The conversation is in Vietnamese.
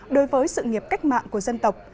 đối với sự nghiệp cách mạng của dân tộc